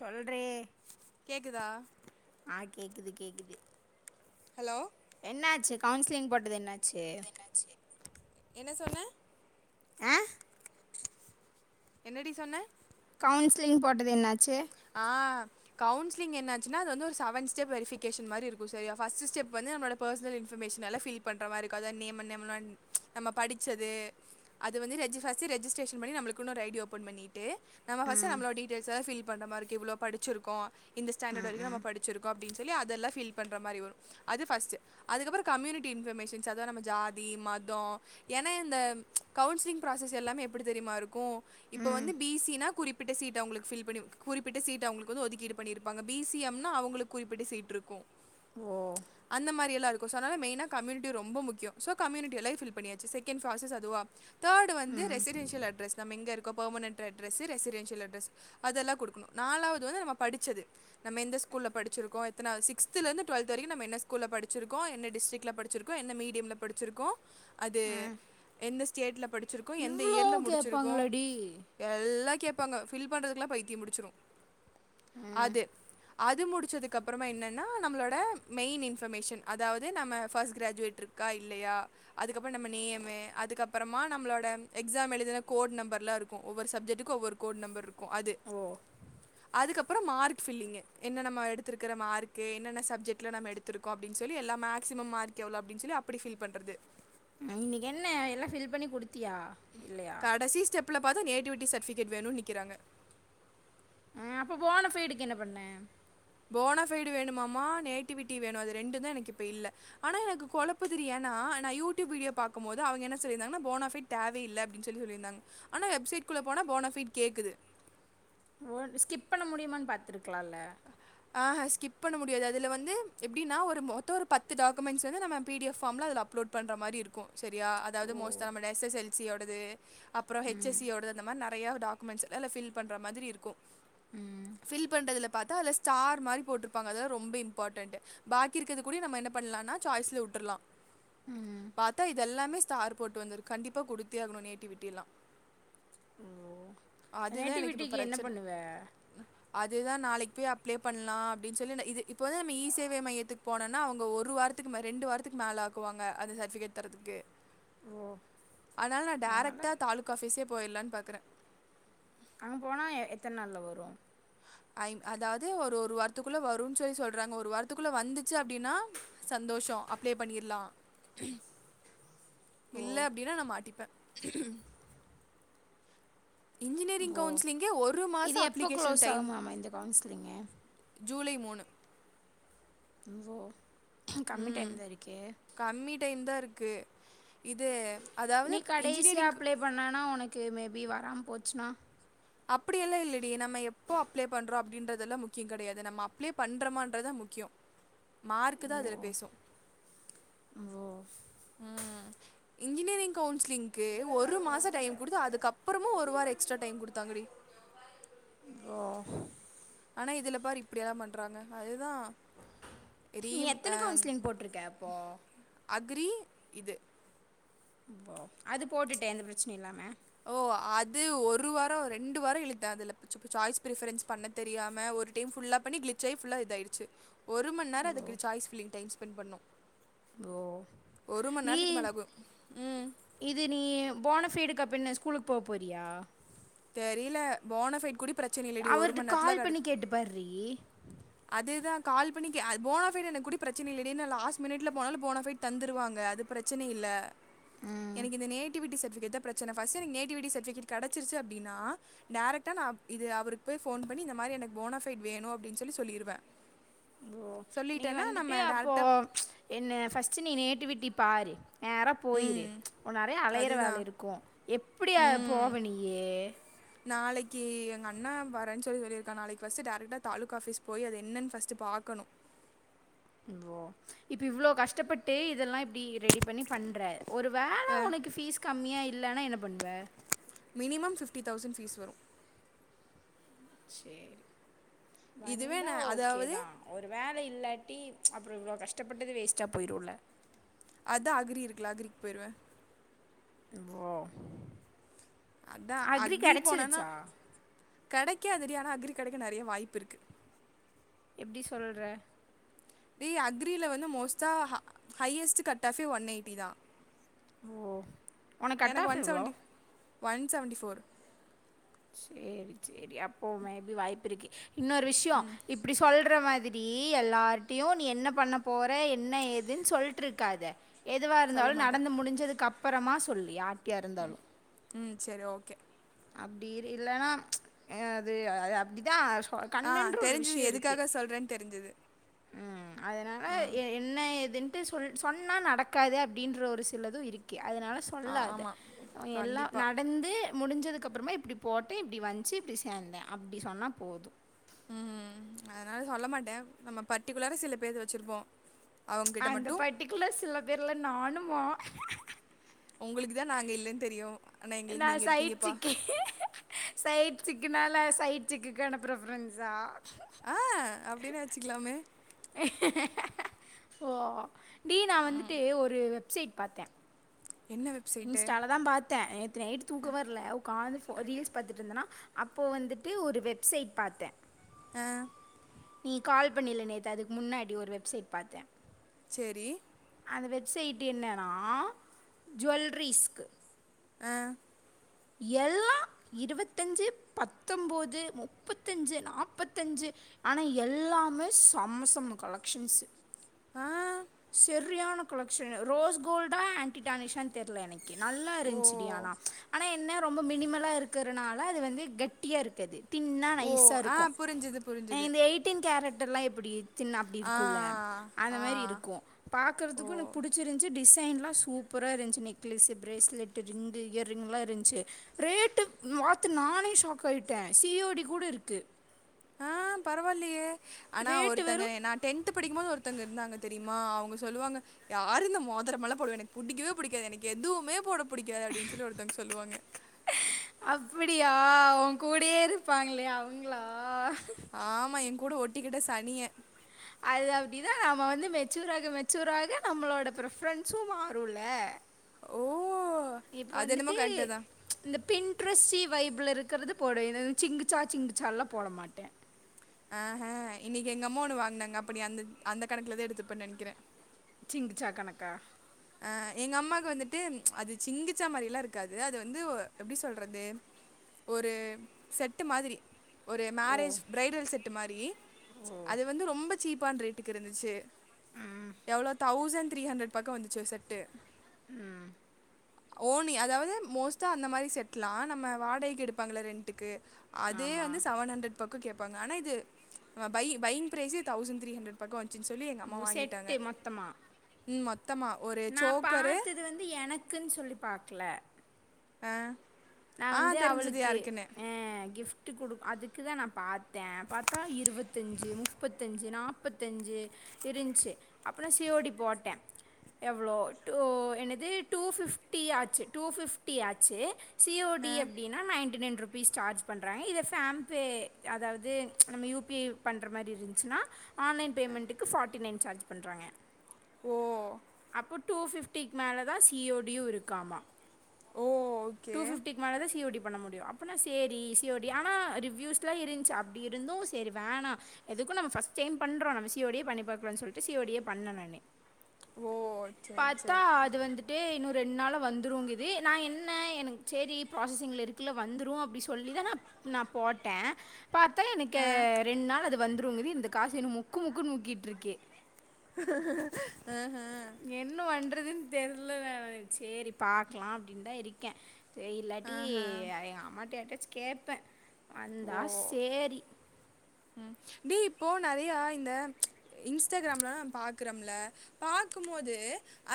சொல் ரீ கேக்குதா ஆ கேக்குது கேக்குது ஹலோ என்னாச்சு கவுன்ஸ்லிங் போட்டது என்னாச்சு என்னாச்சு என்ன சொன்ன ஆ என்ன டி சொன்ன கவுன்சிலிங் போட்டது என்னாச்சு ஆ கவுன்சிலிங் என்னாச்சுனா அது ஒரு செவன் ஸ்டெப் வெரிஃபிகேஷன் மாரி இருக்கு சேரியா ஃபஸ்டு ஸ்டெப் வந்து நம்மளோட பர்சனல் இன்ஃபர்மேஷன் எல்லா ஃபில் பண்ணுற மார்ருக்கு அதாது நேம் நேம்லான் நம்ம படிச்சது அது வந்து ரெஜி பஸ்ட் ரெஜிஸ்டேஸன் பண்ணி நமளுக்குன் ஒரு ஐ டி ஓபன் பண்ணிட்டு நம்ம ஃபஸ்ட் ம் நம்மள டீடைல்ஸ் தா ஃபில் பண்ற மாரி இருக்கு இவ்ளோ படிச்சிருகோ இந்த ஸ்டாண்டட் ம் வரக்கிம் நம்ம ம் படி ச்சிருக்கோ அப்டின்னு சொல்லி அதெல்லா ஃபீல் பண்ற மாரி வரு அது ஃபஸ்ட் அதுக்கப்றோ கம்யூனிட்டி இன்பர்மேஷன்ஸ் அதா நம்ம ஜாதி மதோ ஏனா இந்த கவுன்சிலிங் ப்ராசஸ் எல்லாமே எப்புடி தெரியுமா இருக்கு இப்ப ம் வந்து பீ சினா குறிப்பிட்ட சீட் அவுங்களுக்கு ஃபில் பண்ணி குடு குறிப்பிட்ட சீட் அவுங்களுக்கு வந்து ஒதுக்கீடு பண்ணிருப்பாங்க பி சி எம் னா அவுங்களுக்கு குறிப்பிட்ட சீட் இருக்கு ஓ அந்த மாரியெல்லா இருக்கு ஸோ அதனால மெய்னா கம்யூனிட்டி ரொம்ப முக்கியோ ஸோ கம்யூனிட்டி எல்லா ஃபில் பண்ணியாச்சு செகண்ட்ப்ராசஸ் அதுவா தேர்டு வந்து ரெசிடென்ஷல் அட்ரஸ் நம்ம எங்க இருக்கோ பர்மனென்ட் அட்ரெஸ் ரெசிடென்ஷிய அட்ரஸ் அதெல்லா குடு நாலாவது வந்து நம்ம படிச்சது நம்ம எந்த ஸ்கூல படிச்சிருக்கோ எத்தனாது சிக்ஸ்த்ல இருந்து டுவெல்த் வரைக்கு நம்ம என்ன ஸ்கூல படிச்சிருக்கோ என்ன டிஸ்டிக்ல படி ச்சிருக்கோ என்ன மீடியம்ல படிச்சிருக்கோ அது எந்த ஸ்டேட்ல படிச்சிருக்கோ எந்த இவ்ளோ இயர்ல முடிச்சிருக்கோ கேப்பாங்களாடி எல்லா கேப்பாங்க ஃபில் பண்றதுக்குல பைத்தியம் புடிச்சிடு ம் அது அது முடிச்சதுக்குப்றமா எனன்னா நம்மளோட மெயின் இன்பர்மேஷன் அதாவது நம்ம ஃபஸ்ட் கிராஜுவேட்ரு க்கா இல்லயா அதுக்கப்றம் நம்ம நேம்மு அதுக்கப்றமா நம்மளோட எக்ஸாம் எழுதின கோட் நம்பர்லா இருக்கு ஒவ்வொரு சப்ஜெக்டுக்கு ஒவ்வொரு கோட் நம்பர் இருக்கு அது ஓ அதுக்கப்புறோ மார்க் ஃபில்லிங்கு என்ன நம்ம எடுத்துருக்கிற மார்க்கு என்னென்ன சப்ஜெக்ட்ல நம்ம எடு த்துருக்கோ அப்டின் சொல்லி எல்லா மேக்ஸிமம் மார்க் எவ்ளோ அப்டின் சொல்லி அப்டி ஃபில் பண்றது இன்னிக் என்ன எல்லா ஃபில் பண்ணி குடுத்தியா இல்லையா கடசி ஸ்டெப்ல பாத்தா நேட்டிவிட்டி சட்ஃபிகேட் வேணுன் நிக்கிறாங்க அ அப்போ போனஃபைடுக் என்ன பண்ண போனஃபைடு வேணுமாமா நேட்டிவிட்டி வேணு அது ரெண்டுந்தா எனக்கு இப்ப இல்ல ஆனா எனக்கு கொழப்புதிடி ஏனா நா யூடியூப் வீடியோ பாக்குமோது அவுங்க என்ன சொல்லிருந்தாங்கனா போனஃபிட் தேவையில்ல அப்டின் சொல்லி சொல்லிர்ந்தாங்க ஆனா வெப்சைட்குள்ள போனா போனஃபிட் கேக்குது ஓ நீ ஸ்கிப் பண்ண முடியுமான் பாத்துருக்குலால ஆஹ ஸ்கிப் பண்ண முடியாது அதுல வந்து எப்டினா ஒரு மொத ஒரு பத்து டாக்குமெண்ஸ் வந்து நம பீ டி எஃப் ஃபாம்ல அது அப்லோட் பண்ற மாரி இருக்கு செரியா ஓ அதாவ்து மோஸ்ட்டா நம்மோட எஸ் எஸ் எல் சி யோடது அப்புறம் ஹச் எஸ் சி யோடது அந்த மாரி நறையா டாக்குமெண்ஸ் அதுல ஃபில் பண்ற மாதிரி இருக்கு ஃபில் பண்றதுல பாத்தா அதுல ஸ்டார் மாரி போட்ருப்பாங்க அதுதா ரொம்ப இம்பாடன்ட்டு பாக்கி இருக்கற்து கூடியு நம்ம என்ன பண்லான்னா சாய்ஸ்ல உட்ருலா பாத்தா இதெல்லாமே ஸ்டார் போட்டு வந்துருக் கண்டிப்பா குடுத்தே ஆகணு நேட்டிவிட்டிலா ஓ அதுதா எனக்கு இப்ப நேட்டிவிட்டிக்கு என்ன பிரச்சன பண்ணுவ அதுதா நாளைக்கு போய் அ ப்ளே பண்லா அப்டின் சொல்லி ந இது இப்போ வந்து நம்ம இ சேவை மையத்துக் போனோனா அவுங்க ஒரு வாரத்துக்கு ம ரெண்டு வாரத்துக்கு மேலாக் குவாங்க அந்த சர்ஃபிகேட் தரதுக்கு ஓ அதுனால நான் அதனால டேரக்ட்டா தாலுக்காஃபிஸே போய்ர்லான் பாக்குற அங்க போனா எத்தன் நாள்ல வரு ஐம் அதாவ்து ஒரு ஒரு வார்த்துக்குள்ள வருன் சொல்லி சொல்றாங்க ஒரு வாரத்துக்குள்ள வந்துச்சு அப்டினா சந்தோஷோ அப்ளை பண்ணிர்லா இல்ல ஓ அப்டினா நா மாட்டிப்ப இன்ஜினியரிங் ஓ கவுன்ஸ்லிங்கே ஒரு இது மாசோ எப்போ அப்ளிகேஷன் க்ளோஸ் டைம் ஆகும் மேம் இந்த கவுன்சிலிங்கு ஜூலை மூணு ஓ கம்மி ம் டைம்தா இருக்கே கம்மி டைம்தா இருக்கு இது அதாவ்து இன்ஜினியரிங்க்கு பண்ணானா ஒனக்கு மேபி வராம் போச்சுனா அப்புடியெல்லா இல்லடி நம்ம எப்போ அப்ளே பண்றோ அப்டின்றதெல்லா முக்கியோ கெடையாது நம்ம அப்ளே பண்றோமான்றதா முக்யோ மார்க்குதா ஓ அதுல பேசு ஓ ம் இன்ஜினியரிங் கவுன்ஸ்லிங்க்கு ஒரு மாசோ டைம் குடுத்து அதுக்கப்புறமு ஒரு வாரோ எக்ஸ்ட்ரா டைம் குடுத்தாங்கடி ஓ ஆனா இதுல பாரு இப்டியெலா பண்றாங்க அதுதா நீ ரீம் எத்தனை அ கவுன்சிலிங் போட்டிருக்க அப்போ அக்ரி இது ஓ அது போட்டுட்டே எந்த பிரச்சினியு இல்லாம ஓ அது ஒரு வாரோ ரெண்டு வாரோ இழுத்த அதுல பிச்சு பிச் சாய்ஸ் பிரிஃபுரன்ஸ் பண்ண தெரியாம ஒரு டைம் ஃபுல்லா பண்ணி க்ளிச்சாயி ஃபுல்லா இதாய்டுச்சு ஒரு மண்நேரோ ஓ அதுக்கு சாய்ஸ் ஃபில்லிங் டைம் ஸ்பென் பண்ணோ ஓ ஒரு நீ மண்நேர்த்துக்கு மேலாகு ம் இது நீ போனஃபைடுக் அப்பின்ன ஸ்கூலுக் போ போறியா தெரில போனஃபைட் கூடி பிரச்சன இல்லடி ஒரு மண்நேர்த்துல கடச் கேட்டுபார்ரி அதுதான் கால் பண்ணி கே அ போனாஃபைடு எனக் கூடி பிரச்சன இல்லடி நா லாஸ் மினிட்ல போனாலு போனஃபைட் தந்துருவாங்க அது பிரச்சன இல்ல எனக்கு இந்த நேட் நேட்டிவிட்டி சர்டிஃபிகேட் தா பிரச்சன ஃபர்ஸ்ட்டு எனக்கு நேட்டிவிட்டி சர்டிஃபிகேட் கெடச்சுருச்சு அப்டினா டேரக்டா நா இது அவருக்கு போய் ஃபோன் பண்ணி இந்த மாரி எனக்கு போனோஃபைட் வேணு அப்டின் சொல்லி சொ சொல்லிருவே ஓ நீ வந்துட்டு அப்போ டேரெக்டா என்ன ஃபர்ஸ்ட்டு நீ நேட்டிவிட்டி பாரு நேரா போயிரு ம் நெறைய அலையிற அதுதா வேல இருக்கு எப்டி போவ நீயி நாளைக்கி எங்க அண்ணே வரேன் சொல்லி சொல்லிருக்கா நாளைக்கி ஃபர்ஸ்ட்டு டேரக்டா தாலுகா ஆஃபீஸ் போய் அது என்னன் ஃபஸ்டு பாக்கணு ஓ இப்ப இவ்ளோ கஷ்டப்பட்டு இதெல்லா இப்டி ரெடி பண்ணி பண்ற ஒரு வேல அ ஒனக்கு ஃபீஸ் கம்மியா இல்லனா என்ன பண்வ மினிமம் ஃபிப்டி தௌவ்சன் ஃபீஸ் வரு சேரி இதுவே வந்தா நா ஓகே அதாவது தா ஒரு வேல இல்லாட்டி அப்பறோ இவ்ளோ கஷ்டப்பட்டது வேஸ்ட்டா போய்ருல அதா அக்ரி இருக்குல அக்ரிக்கு போய்ருவே ஓ அதா அக்ரி கெடச்சுருச்சா கெடைக்காது டி ஆனா அக்ரி கெடைக்க நெறைய வாய்ப்பு இருக்கு எப்டி சொல்ற டி அக்ரில வந்து மோஸ்ட்டா ஹையஸ்ட்டு கட் ஆஃபே ஒன் எயிட்டி தா ஓ! உனக்கு கட் எனக்கு ஆஃப் ஒன் எவ்ளோ? சவன்டி ஒன் சவன்டி ஃபோர் சேரி சேரி அப்போ மே பி வாய்ப்பு இருக்கு இன்னொரு விஷ்யோ இப்டி சொல்ற மாதி டி எல்லார்ட்டியு நீ என்ன பண்ண போற என்ன ஏதுன் சொல்ட்ருக்காத எதுவா சொல்ல இருந்தாலு மாட்டே நடந்து முடுஞ்சதுக்கப்பறமா சொல்லு யார்ட்டியா இருந்தாலு ம் செரி ஓகே அப்டி இல்லன்னா அது அது அப்டிதா சொ ஆ கண்ணுன்ற ஒரு தெரிஞ்சுது விஷயம் இருக்கு. எதுக்காக சொல்றேன் தெருஞ்சுது ம் அதுனால எ என்ன ஏதுன் டு சொல் சொன்னா நடக்காது அப்டின்ற ஒரு சிலது இருக்கே அதுனால சொ ஆ சொல்லாத ஆமா எல்லா கண்டிப்பா நடந்து முடுஞ்சதுக்கப்பறமா இப்டி போட்டே இப்டி வந்ச்சு இப்டி சேந்தே அப்டி சொன்னா போது ம் அதுனால சொல்ல மாட்டே நம்ம பர்டிகுலரா சில பேரு வச்சுருப்போ அந்த பர்ட்டிகுலர் சில பேர்ல நானுமா ஒங்களுக்கு தா நாங்க இல்லன் தெரியு நா சைச்சிக்கி சைச்சிக்குனால சைட்சிக்குக்கான ப்ரஃபரன்ஸா ஆ அப்டின்னே வச்சுக்கலாமே ஓ டி நா வந்துட்டு ஒரு வெப்சைட் பாத்தே என்ன வெப் இன்ஸ்டால தா பாத்தே நேத்து நைட் தூக்கோ வர்ல காலலருந்து போ ரீல்ஸ் பாத்துட்டு இருந்தனா அப்போ வந்துட்டு ஒரு வெப்சைட் பாத்தே அ நீ கால் பண்ணில நேத்து அதுக்கு முன்னாடி ஒரு வெப்சைட் பாத்தே சேரி அந்த வெப்சைட்டு என்னனா ஜுவல்ரீஸ்க்கு அ எல்லா இருவத்தஞ்சு பத்தொம்போது முப்பத்தஞ்சு நாப்பத்தஞ்சு ஆனா எல்லாமே செம செம கலெக்ஷன்ஸு ஆ செர்ரியான கலெக்க்ஷன்னு ரோஸ் கோல்டா ஆன்டிடானிஷானு தெர்ல எனக்கின் நல்லா ஓ இருந்துச்சுடி ஆனா ஆனா என்ன ரொம்ப மினிமலா இருக்கறனால அது வந்து கெட்டியா இருக் அது தின்னா ஓ நைஸா ஆ இருக்கோ புரிஞ்சுது புரிஞ்சுது இந்த எயிட் டின் கேரக்டர்லா எப்புடி தின் அப்புடி ஆ இருக்கும்ல்ல அத ஆ மாரி இருக்கோ பாக்கறதுக்கூ ஓ எனக்கு புடிச்சிருந்ச்சு டிசைன்லா சூப்பரா இருந்ச்சு நெக்லஸ்சு பிரேஸ்லெட் டு ரிங்கு இயர் ரிங்லா இருந்ச்சு ரேட்டு மாத்து நானே ஷாக் ஆயிட்டே சி ஓ டி கூட இருக்கு பரவாயில்லயே அனா ரேட்டு ஒருத்தங்க வெறு நா டென் த்து படிக்கும் போது ஒருத்தங்க இருந்தாங்க தெரியுமா அவங்க சொல்லுவாங்க யாரு இந்த மோதிரோல்லா போடுவேங் எனக்கு புடிக்கவே புடிக்காது எனக்கு எதுவுமே போட புடிக்காது அப்டின்னு சொல்லி ஒருத்தவங்க சொல்லுவாங்க அப்படியா உங் கூடயே இருப்பாங்களே அவங்களா ஆமா எங் கூட ஒட்டிக்கிட்ட சனியே அது அப்படிதா நம்ம வந்து மெச்சூராக மெச்சூராக நம்மளோட பிரஃப்ரென்ஸும் மாறுல்ல ஓ! இப்ப அது என்னமோ வந்துட்டு கரெக்ட்டு தான். இந்த பின்ட்ரஸ்ஸி வைப்புள இருக்குறது போடுவே சிங்குச்சா சிங்குச்சா எல்லா போட மாட்டே ஹெ ஹாங் இன்னிக்கு எங்க அம்மா ஒன்னு வாங்குனாங்க அப்ப நீ அந்தக் அந்த கணக்குல தா எடுத்துருப்போண்ணு நெனைக்கிறே சிங்குச்சா கணக்கா அ எங்க அம்மாக்கு வந்துட்டு அது சிங்குச்சா மாரில்லா இருக்காது அது வந்து எப்டி சொல்றது ஒரு செட்டு மாதிரி ஒரு ஓ மேரேஜ் ப்ரைடல் செட்டு மாதிரி ஓ அது வந்து ரொம்ப சீப்பான ரேட்டுக்கு இருந்துச்சு எவ்ளோ தௌசண்ட் த்ரீ ஹண்ட்ரட் பக்கம் வந்துருச்சு ஒரு செட்டு ம் ஓ நீ அதாவது மோஸ்ட்டா அந்த மாரி செட்லா நம்ம வாடகைக்கு எடுப்பாங்கள ரெண்ட்டுக்கு அதே ஆமா வந்து சவன் ஹண்ட்ரட் பக்கோ கேப்பாங்க அனா இது பையிங் பையிங் ப்ரைஸ்சே தௌசண்ட் த்ரீ ஹண்ட்ரட் பக்கோ வந்துச்சுன்னு சொல்லி எங்க அம்மா ஓ வாங்கிட்டாங்க செட்டு மொத்தமா ம் மொத் நா பாத்தது வந்து எனக்குன் சொல்லி பாக்கல ஆங் நான் வந்து அவளுக்கு ஹெங் கிஃப்ட்டு கொடுக் அதுக்கு தா நா பார்த் தே பாத்தா இருவத்தஞ்சு முப்பத்தஞ்சு நாப்பத் தெஞ்சு இருந்ச்சு அப்புறோ சி ஓ டி போட்டே எவ்ளோ டூ எனக் டூ ஃபிப்டி ஆச்சு டூ ஃபிப்டி ஆச்சி சி ஓ டி ஆ அப்டி நா நையன்டி நைன் ருபீஸ் சார்ஜ் பண்றாங்க இதுல ‌ஷாம்பே அதாவது நம்ம யூ பி ஐ பண்ற மாதிரி இருந்ச்சுனா ஆன்லைன் பேமெண்ட்டுக்கு ஃபார்ட்டி நைன் சார்ஜ் பண்றாங்க ஓ அப்ப டூ பிஃப்டிக்கு மேல தா சி ஓ டியும் இருக்காமா ஓ ஓகே டூ பிஃப்டி மேலே தா சி ஓ டி பண்ண முடியும் அப்பட்னா சரி C A D C O D ஆனா ரிவ்யூஸ்லா இருந்ச்சு அப்டி இருந்தூ சரி வேணா எதுக்கூ நம்ம ஃப்ஸ்ட் டைம் பண்ணுறோ நம்ம சி ஓ டிய பண்ணி பாக்கலா சொல்டு சி ஓ டிய பண்ணோ நானூ ஓ சரி பார்த்தா சரி அது வந்து ட்டு இன்னூ ஒரு ரெண் நாள்ல வந்துடுங்கிது நா என்ன எனக்கு சரி ப்ராசஸிங்கில்ல இருக்குகில்ல வந்துரூ அப்படினு சொல்லி தா நா நா போட்டே பார்த்தா எனக்கே ஆ ரெண்டு நாள் அது வந்துடுங்கிது இந்த காசு இன்னூ முக்கு முக்குன்னு முக்கிட்டிருக்கு ஆ ஹ என்ன பண்றதுன்னு தெர்ல நானு செரி பாக்கலா அப்டின் தா இருக்கே ஆ இல்லாட்டி ஆஹா ஏ அம்மாட்ட யார்ட்டயாச்சு கேப்ப ஓ வந்தா சேரி ம் டேய் இப்போ நெறையா இந்த இன்ஸ்டாகிராம்லலா நம் பாக்குறோல பாக்கும்போது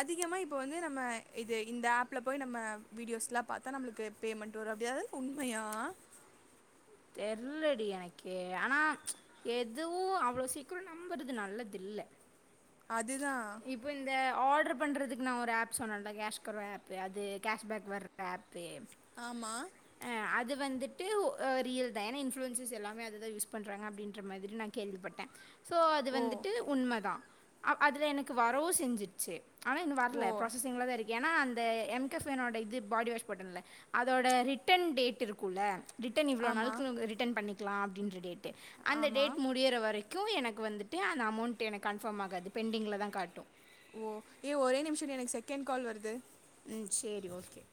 அதிகமா இப்ப வந்து நம்ம இது இந்த ஆப்ல போய் நம்ம வீடியோஸ்லா பாத்தா நம்மளுக்கு பேமெண்ட் வரு அப்டியாவது உண்மையா தெர்லடி எனக்கே ஆனா எதுவு அவ்ளோ சீக்கிர நம்புறது நல்லது இல்ல அதுதா இப்போ இந்த ஆர்ட்ரு பண்றதுக்கு நா ஒரு ஆப் சொன்னேன்ல கேஷ்கர ஆப்பே அது கேஷ்பேக் வர்ற ஆப்பே ஆமா அது வந்துட்டு ஆ ரியல் தா ஏன்னா இன்ஃப்ளூயர்ஸ் எல்லாமே அதுதா யூஸ் பண்றாங்க அப்டின்ற மாதிரி நா கேள்விப்பட்ட ஸோ அது ஓ வந்துட்டு உண்மதா ஆ அதுல எனக்கு வரவு செஞ்சுச்சு ஆனா இன்னு வர்ல ஓ ப்ரொசசிங்ல தா இருக் ஏன்னா அந்த எம்கெஃபனோட இது பாடி வாஷ் போட்டன்ல அதோட ரிட்டன் டேட் இருக்குல்ல ரிட்டன் இவ்வளோ ஆமாம் நாளுக்குள்ள நம்ம ரிட்டன் பண்ணிக்கலா அப்டின்ற டேட்டு அந்த டேட் ஆமாம் முடியிற வரைக் கு எனக்கு வந்துட்டு அந்த அமௌண்ட் எனக்கு கன்ஃபார்ம் ஆகாது பெண்டிங்கில் தா காட்டு ஓ ஏ ஒரே நிமிஷன்டி எனக்கு செகண்ட் கால் வருது ம் சேரி ஓகே